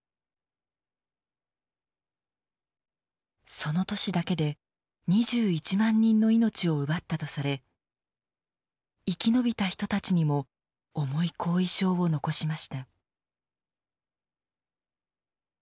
その年だけで２１万人の命を奪ったとされ生き延びた人たちにも重い後遺症を残しました。